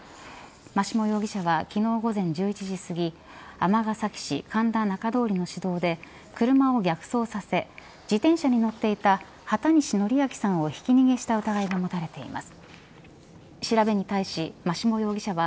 真下容疑者は昨日午前１１時すぎ尼崎市神田中通の市道で車を逆走させ自転車に乗っていた畑西徳明さんをひき逃げした疑いが持たれています。